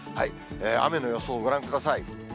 雨の予想をご覧ください。